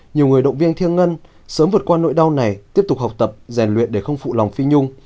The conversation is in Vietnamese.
nhiều người động viên thiêng ngân sớm vượt qua nỗi đau này tiếp tục học tập rèn luyện để không phụ lòng phi nhung